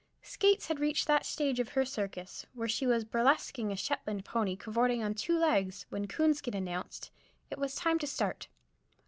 Skates had reached that stage of her circus where she was burlesquing a Shetland pony cavorting on two legs, when Coonskin announced it was time to start.